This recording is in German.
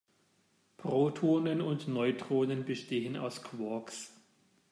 Protonen und Neutronen bestehen aus Quarks.